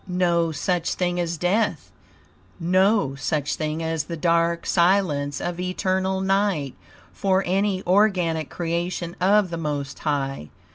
No such thing as death, no such thing as the dark silence of eternal night, for any organic creation of the Most High.